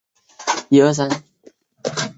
目前球队的主场设立在莎亚南体育场。